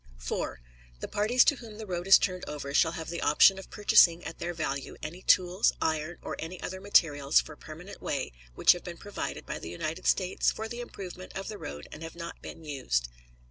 4. The parties to whom the road is turned over shall have the option of purchasing at their value any tools, iron, or any other materials for permanent way which have been provided by the United States for the improvement of the road and have not been used.